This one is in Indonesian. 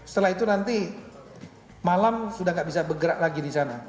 setelah itu nanti malam sudah tidak bisa bergerak lagi di sana